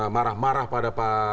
marah marah pada pak